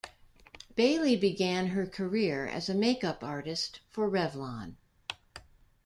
Bailey began her career as a make-up artist for Revlon.